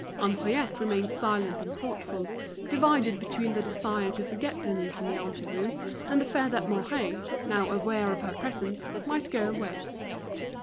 Henriette remained silent and thoughtful, divided between the desire to forget Denise in the ante room, and the fear that Mouret, now aware of her presence, might go away.